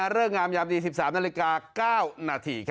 เริ่มงามยามดี๑๓นาฬิกา๙นาที